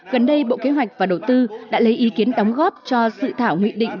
gần đây bộ kế hoạch và đầu tư đã lấy ý kiến đóng góp cho sự thảo nghị định